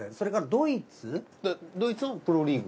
ドイツもプロリーグ？